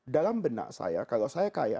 dalam benak saya kalau saya kaya